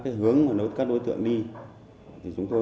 trong vòng trưa đầy ba mươi phút